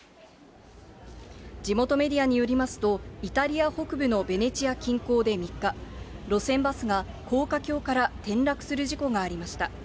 地元メディアによりますと、イタリア北部のベネチア近郊で３日、路線バスが高架橋から転落する事故がありました。